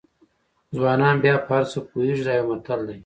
ځوانان بیا په هر څه پوهېږي دا یو متل دی.